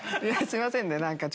すいませんね何か。